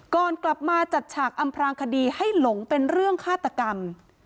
ก่อนกลับมาจัดฉากอำพรางคดีให้หลงเป็นเรื่องฆาตกรรม